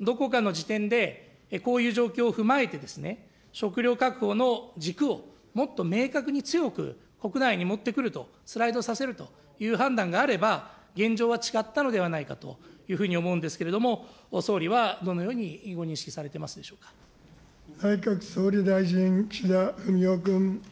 どこかの時点で、こういう状況を踏まえてですね、食料確保の軸をもっと明確に強く、国内に持ってくると、スライドさせるという判断があれば、現状は違ったのではないかというふうに思うんですけれども、総理は、どのようにご認識されてますでしょ内閣総理大臣、岸田文雄君。